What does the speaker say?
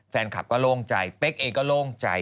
แฟนคลับก็โล่งใจเป๊กเองก็โล่งใจ